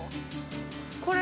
これ。